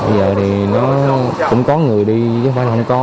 bây giờ thì nó cũng có người đi chứ không phải là không có